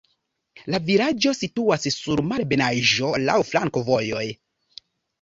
La vilaĝo situas sur malebenaĵo, laŭ flankovojoj.